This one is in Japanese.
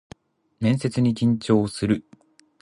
面接に緊張する